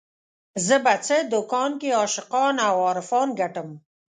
زه په څه دکان کې عاشقان او عارفان ګټم